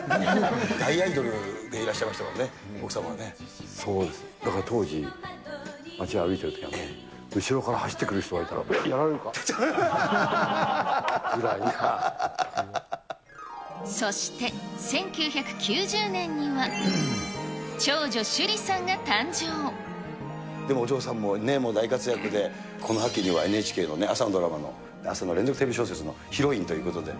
大アイドルでいらっしゃいまそうです、だから当時、街を歩いているときに、後ろから走ってくる人がいたら、お、そして、１９９０年には長女、でもお嬢さんもね、大活躍で、この秋にはＮＨＫのね、朝のドラマの、朝の連続テレビ小説のヒロインということで。